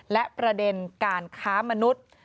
และประเด็นการค้ามนุษย์